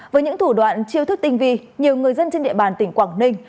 với những thủ đoạn chiêu thức tinh vi nhiều người dân trên địa bàn tỉnh quảng ninh